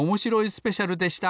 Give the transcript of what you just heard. スペシャル」でした！